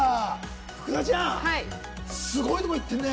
福田ちゃん、すごいとこ行ってんね。